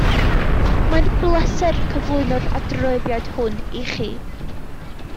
Mae'n bleser cyflwyno'r adroddiad hwn ichi